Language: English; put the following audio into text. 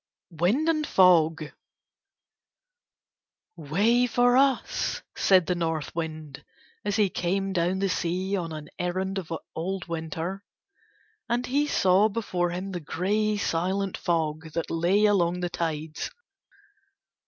WIND AND FOG "Way for us," said the North Wind as he came down the sea on an errand of old Winter. And he saw before him the grey silent fog that lay along the tides.